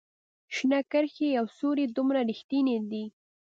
شنه کرښې او سورې دومره ریښتیني دي